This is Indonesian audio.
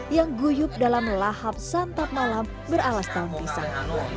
yang guyup dalam lahap santap malam beralas daun pisang